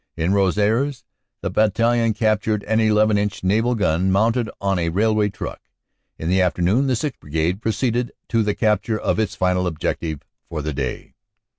In Rosieres the battalion captured an 11 inch naval gun mounted on a railway truck. In the afternoon the 6th. Brigade proceeded to the capture of its final objective for the day.